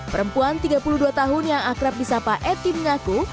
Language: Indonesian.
perempuan tiga puluh dua tahun yang akrab bisapa etim ngaku